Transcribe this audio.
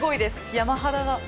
山肌が。